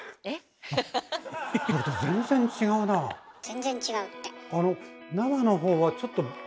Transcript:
全然違うって。